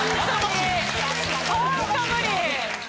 ホント無理！